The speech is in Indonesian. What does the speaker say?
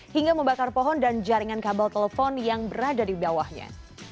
hingga membakar pohon dan jaringan kabel telepon yang berada di bawahnya